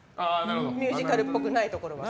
ミュージカルっぽくないところは。